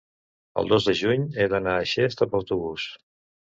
El dos de juny he d'anar a Xest amb autobús.